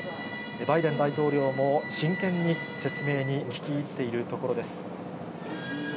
バイデン大統領も真剣に説明に聞き入っている所です。